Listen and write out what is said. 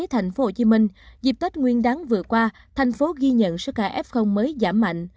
thành phố hồ chí minh dịp tết nguyên đáng vừa qua thành phố ghi nhận số ca f mới giảm mạnh